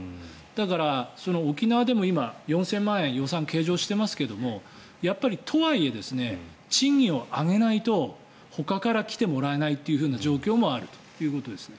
だから、沖縄でも今４０００万円予算計上してますがとはいえ賃金を上げないとほかから来てもらえないという状況もあるということですね。